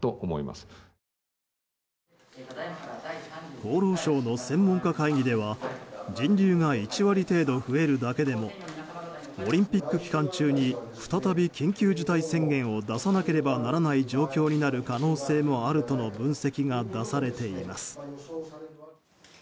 厚労省の専門家会議では人流が１割程度増えるだけでもオリンピック期間中に再び緊急事態宣言を出さなければならない状況になる可能性があるとの分析が出されています。